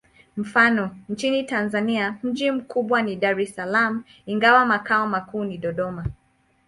Mfano: nchini Tanzania mji mkubwa ni Dar es Salaam, ingawa makao makuu ni Dodoma.